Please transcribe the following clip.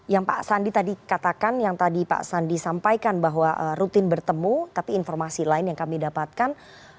yang pak sandi tadi katakan yang tadi pak sandi sampaikan bahwa rutin bertemu tapi informasi lain yang kami dapatkan